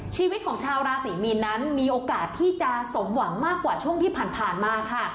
ชีวิตของชาวราศรีมีนนั้นมีโอกาสที่จะสมหวังมากกว่าช่วงที่ผ่านมาค่ะ